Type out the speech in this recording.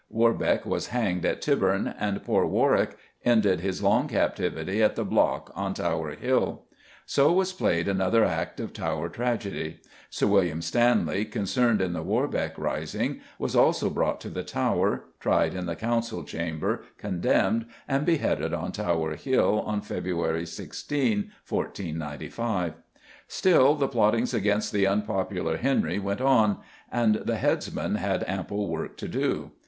Warbeck was hanged at Tyburn, and poor Warwick ended his long captivity at the block on Tower Hill. So was played another act of Tower tragedy. Sir William Stanley, concerned in the Warbeck rising, was also brought to the Tower, tried in the Council Chamber, condemned, and beheaded on Tower Hill on February 16, 1495. Still the plottings against the unpopular Henry went on, and the headsman had ample work to do.